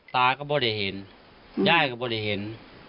ตาก็ไม่ได้เห็นยายก็ไม่ได้เห็น